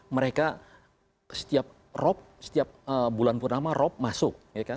mereka setiap rop setiap bulan purnama rob masuk